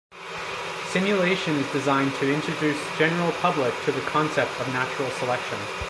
Simulation is designed to introduce general public to the concept of natural selection.